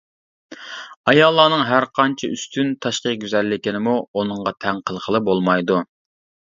ئاياللارنىڭ ھەرقانچە ئۈستۈن تاشقى گۈزەللىكىنىمۇ ئۇنىڭغا تەڭ قىلغىلى بولمايدۇ.